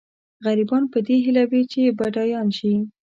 غریبان په دې هیله وي چې بډایان شي.